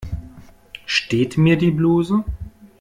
Steht mir die Bluse?